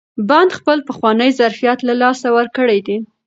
بند خپل پخوانی ظرفیت له لاسه ورکړی دی.